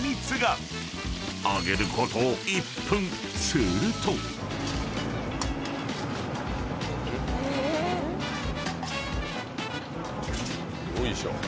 ［すると］よいしょ。